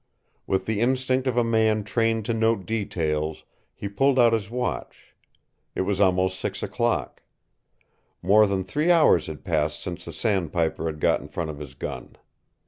With the instinct of a man trained to note details, he pulled out his watch. It was almost six o'clock. More than three hours had passed since the sandpiper had got in front of his gun.